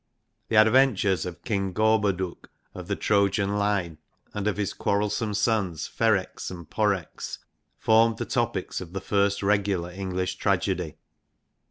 The adventures of King Gorboduc of the Trojan line, and of his quarrelsome sons Ferrex and For rex, formed the topics of the first regular English tragedy.